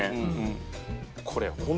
これ。